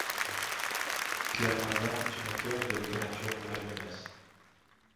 Claire Mazard est une auteure de littérature pour la jeunesse.